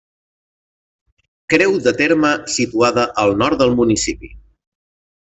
Creu de terme situada al nord del municipi.